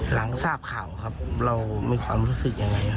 หลังทราบข่าวครับเรามีความรู้สึกยังไง